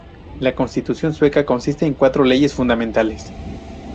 La Constitución Sueca consiste en cuatro leyes fundamentales.